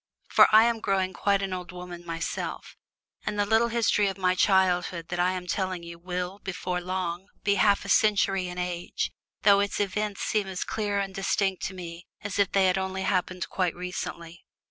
For I am growing quite an old woman myself, and the little history of my childhood that I am telling you will, before long, be half a century in age, though its events seem as clear and distinct to me as if they had only happened quite recently!